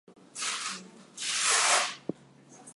He also kills people while sleeping.